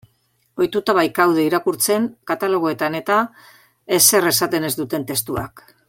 Ohituta baikaude irakurtzen, katalogoetan-eta, ezer esaten ez duten testuak.